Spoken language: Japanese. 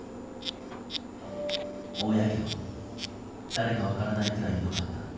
おおやけど、誰か分からないくらいひどかった。